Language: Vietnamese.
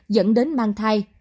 dẫn đến mang thai